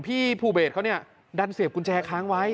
พี่ภูเบสเขาเนี่ยดันเสียบกุญแจค้างไว้